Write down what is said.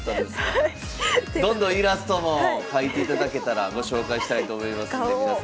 どんどんイラストも描いていただけたらご紹介したいと思いますんでガオー。